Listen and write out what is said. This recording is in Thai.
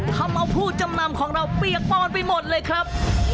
ทำเอาผู้จำนำของเราเปียกปอนไปหมดเลยครับ